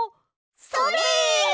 それ！